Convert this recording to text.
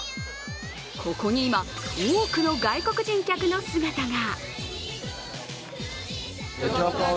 ここに今、多くの外国人客の姿が。